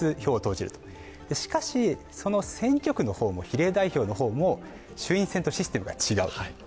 しかし、選挙区の方も比例代表の方も衆院選とシステムが違う。